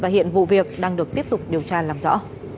hiện vụ việc đang được tiếp tục điều tra làm rõ